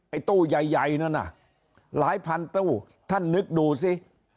ตู้ใหญ่นั่นน่ะหลายพันตู้ท่านนึกดูสิ